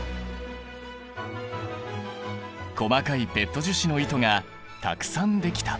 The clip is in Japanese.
細かいペット樹脂の糸がたくさんできた。